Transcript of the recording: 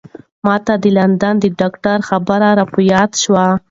ما ته د لندن د ډاکتر خبرې را په یاد شوې.